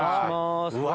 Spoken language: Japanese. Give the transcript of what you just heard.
うわ。